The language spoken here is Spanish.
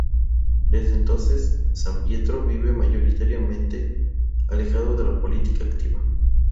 Desde entonces Sampietro vive mayoritariamente alejado de la política activa.